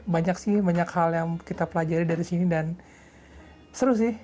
banyak sih banyak hal yang kita pelajari dari sini dan seru sih